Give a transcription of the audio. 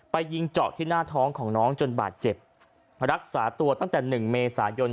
ยิงเจาะที่หน้าท้องของน้องจนบาดเจ็บรักษาตัวตั้งแต่หนึ่งเมษายน